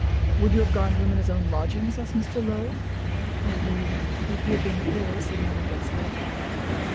"Would you have gone to him in his own lodgings?" asked Mr. Low. "I would, if he'd been ill," said Madame Goesler.